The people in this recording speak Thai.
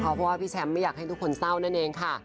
เพราะว่าพี่แชมป์ไม่อยากให้ทุกคนเศร้านั่นเองค่ะ